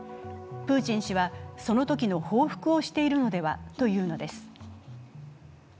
プーチン氏はそのときの報復をしているのではというのです。